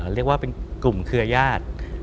เรียกว่าเป็นกลุ่มเครือญาติ